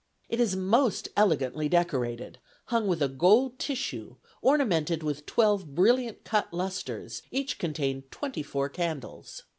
It is most elegantly decorated, hung with a gold tissue, ornamented with twelve brilliant cut lustres, each contained twenty four candles.